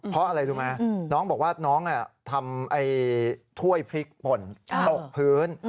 เพราะอะไรรู้ไหมน้องบอกว่าน้องทำถ้วยพริกป่นตกพื้น